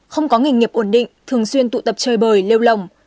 không có nghề nghiệp ổn định thường xuyên tụ tập chơi bời lêu lồng